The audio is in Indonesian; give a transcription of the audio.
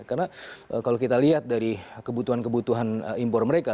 karena kalau kita lihat dari kebutuhan kebutuhan impor mereka